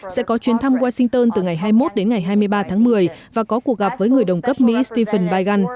sẽ có chuyến thăm washington từ ngày hai mươi một đến ngày hai mươi ba tháng một mươi và có cuộc gặp với người đồng cấp mỹ stephen biden